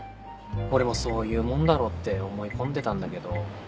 俺もそういうもんだろって思い込んでたんだけど。